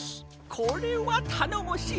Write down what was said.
これはたのもしい！